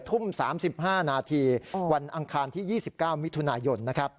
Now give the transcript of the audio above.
ทุ่ม๓๕นาทีวันอังคารที่๒๙มิถุนายน